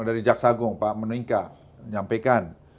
dari jaksagung pak meningka menyampaikan